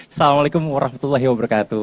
assalamualaikum warahmatullahi wabarakatuh